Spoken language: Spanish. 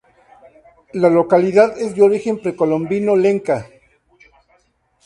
La localidad es de origen precolombino lenca.